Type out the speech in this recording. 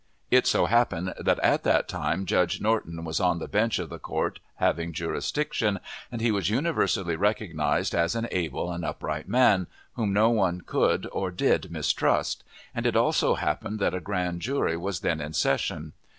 It so happened that at that time Judge Norton was on the bench of the court having jurisdiction, and he was universally recognized as an able and upright man, whom no one could or did mistrust; and it also happened that a grand jury was then in session.